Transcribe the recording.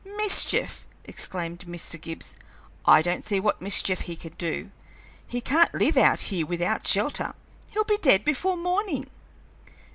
"Mischief!" exclaimed Mr. Gibbs. "I don't see what mischief he can do. He can't live out here without shelter; he'll be dead before morning."